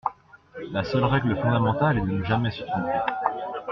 La seule règle fondamentale est de ne jamais se tromper.